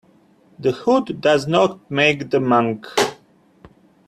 The hood does not make the monk.